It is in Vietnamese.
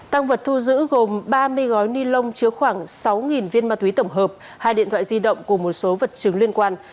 tăng vật thu giữ gồm ba mươi gói ni lông chứa khoảng sáu viên ma túy tổng hợp hai điện thoại di động cùng một số vật chứng liên quan